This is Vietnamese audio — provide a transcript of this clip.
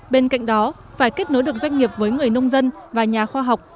bên cạnh đó phải kết nối được doanh nghiệp với người nông dân và nhà khoa học